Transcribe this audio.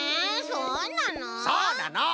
そうなの！